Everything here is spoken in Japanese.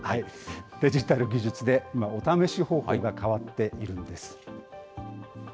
デジタル技術で今、お試し方法が変わっているんです。